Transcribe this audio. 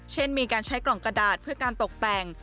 เช่นมีการใช้กล่องกระดาษเพื่อการตกแต่ง